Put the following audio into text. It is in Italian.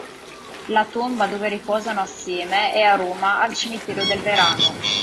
La tomba dove riposano assieme è a Roma al Cimitero del Verano.